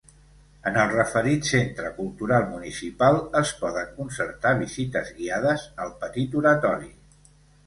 En el referit centre cultural municipal es poden concertar visites guiades al petit oratori.